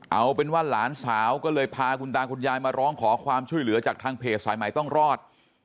เอาเป็นว่าหลานสาวก็เลยพาคุณตาคุณยายมาร้องขอความช่วยเหลือจากทางเพจสายใหม่ต้องรอด